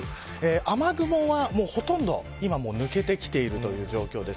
雨雲はほとんど今もう抜けてきているという状況です。